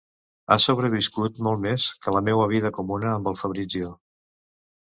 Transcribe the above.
Ha sobreviscut molt més que la meua vida comuna amb el Fabrizio.